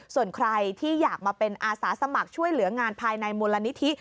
ส่วนใครที่อยากมาเป็นอาสาสมัครช่วยเหลืองานภายในมูลนิธิ